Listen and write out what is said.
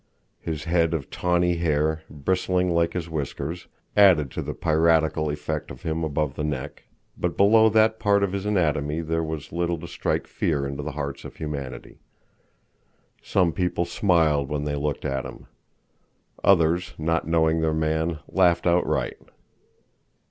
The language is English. His head of tawny hair, bristling like his whiskers, added to the piratical effect of him above the neck, but below that part of his anatomy there was little to strike fear into the hearts of humanity. Some people smiled when they looked at him. Others, not knowing their man, laughed outright.